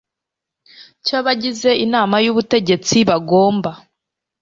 cy abagize inama y ubutegetsi bagomba